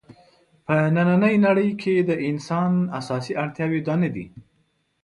په نننۍ نړۍ کې د انسان اساسي اړتیاوې دا نه دي.